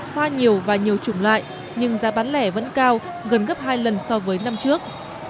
hoa nhiều và nhiều chủng loại nhưng giá bán lẻ vẫn cao gần gấp hai lần so với năm trước